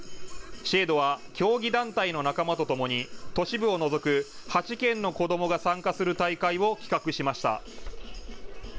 ＳＨＡＤＥは競技団体の仲間とともに都市部を除く８県の子どもが参加する大会を企画しました。